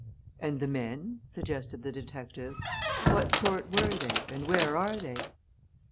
"And the men?" suggested the detective. "What sort were they, and where are they?"